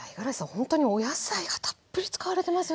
ほんとにお野菜がたっぷり使われてますよね。